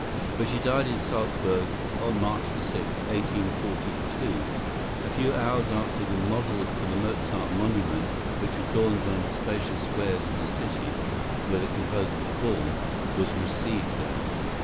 For she died in Salzburg, on March 6, 1842, a few hours after the model for the Mozart monument, which adorns one of the spacious squares of the city where the composer was born, was received there.